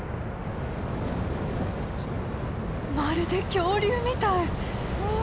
まるで恐竜みたい。